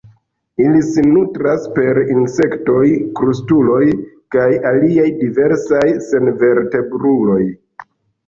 Ili sin nutras per insektoj, krustuloj kaj aliaj diversaj senvertebruloj.